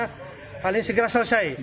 hal ini segera selesai